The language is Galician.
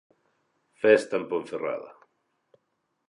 Festa en Ponferrada.